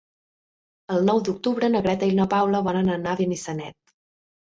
El nou d'octubre na Greta i na Paula volen anar a Benissanet.